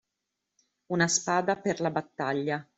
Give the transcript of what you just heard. Una spada per la battaglia.